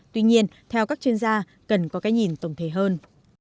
tuy nhiên theo các chuyên gia cần có cái nhìn tổng thể hơn